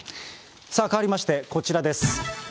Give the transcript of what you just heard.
さあ、かわりまして、こちらです。